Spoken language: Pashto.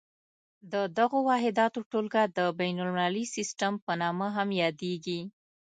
د دغو واحداتو ټولګه د بین المللي سیسټم په نامه هم یادیږي.